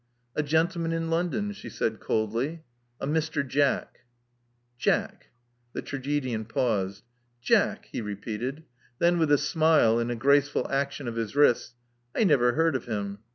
A gentleman in London,*' she said, coldly. A Mr. Jack. Jack! The tragedian paused. ''Jack! he repeated. Then, with a smile, and a graceful action of his wrists, I never heard of him.